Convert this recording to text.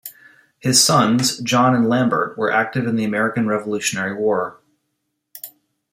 His sons, John and Lambert were active in the American Revolutionary War.